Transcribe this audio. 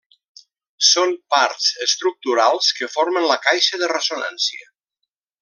Són parts estructurals que formen la caixa de ressonància.